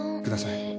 ください。